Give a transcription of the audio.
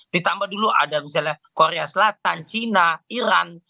ditambah dulu ada misalnya korea selatan cina iran